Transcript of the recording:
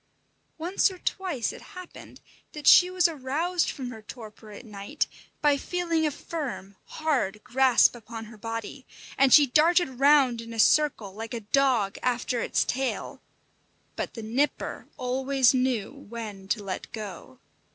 Once or twice it happened that she was aroused from her torpor at night by feeling a firm, hard grasp upon her body, and she darted round in a circle like a dog after its tail; but the Nipper always knew when to let go.